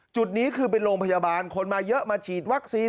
จุดนี้คือเป็นโรงพยาบาลคนมาเยอะมาฉีดวัคซีน